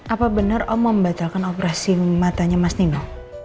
apa benar om membatalkan operasi matanya mas nino